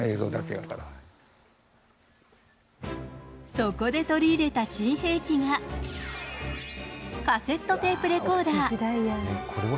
そこで取り入れた新兵器が、カセットテープレコーダー。